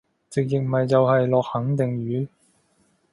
直譯咪就係落肯定雨？